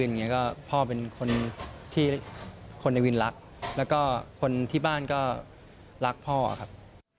อย่างนี้ก็พ่อเป็นคนที่คนในวินรักแล้วก็คนที่บ้านก็รักพ่อครับ